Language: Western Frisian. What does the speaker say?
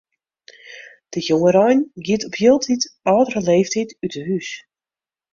De jongerein giet op hieltyd âldere leeftiid út 'e hús.